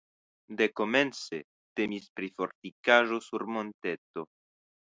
Dekomence temis pri fortikaĵo sur monteto.